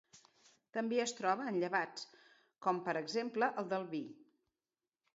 També es troba en llevats com, per exemple, el del vi.